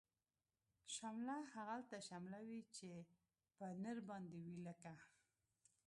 شمله هغلته شمله وی، چه په نرباندی وی لکه